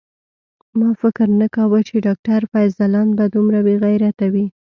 ما فکر نه کاوه چی ډاکټر فیض ځلاند به دومره بیغیرته وی